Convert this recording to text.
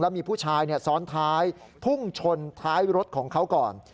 มีผู้ชายซ้อนท้ายพุ่งชนท้ายรถของเขาก่อน